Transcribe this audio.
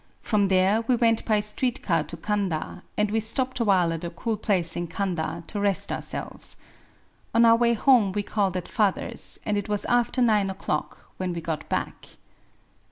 From there we went by street car to Kanda ; and we stopped awhile at a cool place in Kanda, to rest ourselves. On our way home we called at father's, and it was after nine o'clock when we got back.